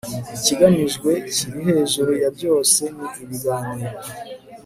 ikigamijwe kiri hejuru ya byose ni ibiganiro